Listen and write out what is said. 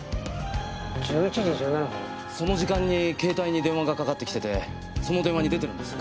その時間に携帯に電話がかかってきててその電話に出てるんですよ